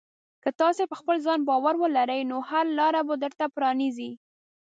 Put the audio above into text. که تاسې په خپل ځان باور ولرئ، نو هره لاره به درته پرانیزي.